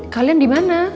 kalian di mana